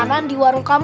ya udah sukses